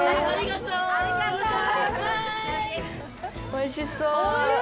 おいしそう。